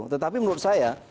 tetapi menurut saya